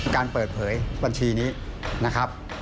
การเปิดเผยบัญชีนี้นะครับ